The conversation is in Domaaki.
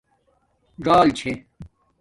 ژَآل چھے